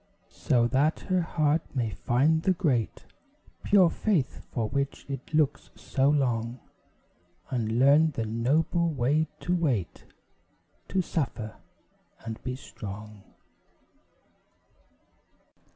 So that her heart may find the great, Pure faith for which it looks so long; And learn the noble way to wait, To suffer, and be strong.